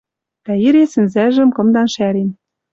Дӓ ире сӹнзӓжӹм кымдан шӓрен